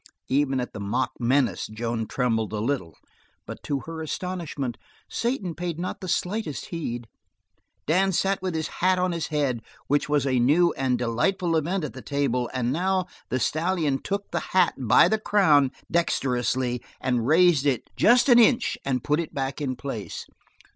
Even at the mock menace Joan trembled a little, but to her astonishment Satan paid not the slightest heed. Dan sat with his hat on his head which was a new and delightful event at the table and now the stallion took the hat by the crown, dexterously, and raised it just an inch and put it back in place.